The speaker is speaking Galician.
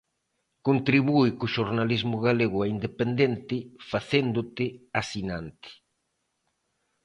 Contribúe co xornalismo galego e independente facéndote asinante.